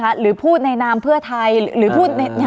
การแสดงความคิดเห็น